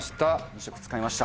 ２色使いました。